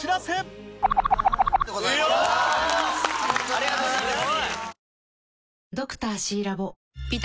ありがとうございます！